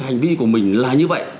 hành vi của mình là như vậy